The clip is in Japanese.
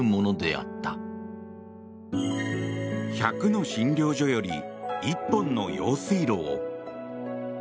１００の診療所より１本の用水路を。